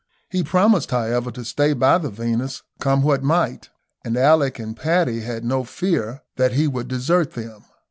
He promised, however, to stay by the Venus, come what might, and Alick and Paddy had no fear that he would desert them.